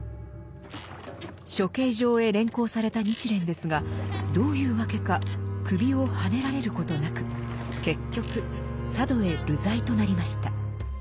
処刑場へ連行された日蓮ですがどういうわけか首をはねられることなく結局佐渡へ流罪となりました。